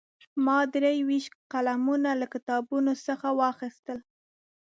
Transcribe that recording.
ما درې ویشت قلمونه له کتابتون څخه واخیستل.